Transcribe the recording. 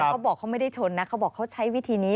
เขาบอกเขาไม่ได้ชนนะเขาบอกเขาใช้วิธีนี้